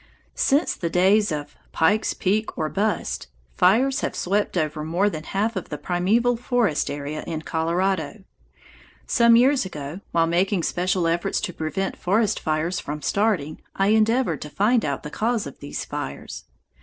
Since the day of "Pike's Peak or bust," fires have swept over more than half of the primeval forest area in Colorado. Some years ago, while making special efforts to prevent forest fires from starting, I endeavored to find out the cause of these fires.